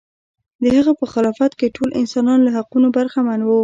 د هغه په خلافت کې ټول انسانان له حقونو برخمن و.